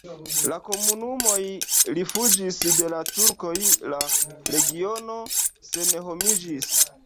La kumanoj rifuĝis de la turkoj, la regiono senhomiĝis.